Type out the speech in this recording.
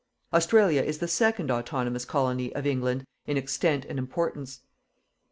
Australia is the second autonomous colony of England in extent and importance.